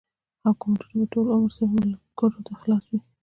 او کمنټونه به ټول عمر صرف ملکرو ته خلاص وي